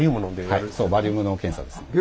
はいそうバリウムの検査ですね。